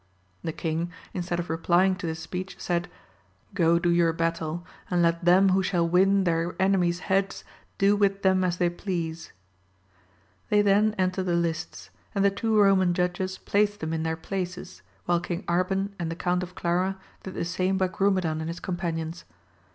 The king instead of replying to this speech, said. Go do your battle, and let them who shall win their enemies* heads, do with them as they please. They then entered the lists, and the two Roman judges placed them in their places, while Eang Arban and the Count of Clara, did the same by Grumedan and his companions.